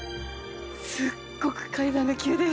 すっごく階段が急です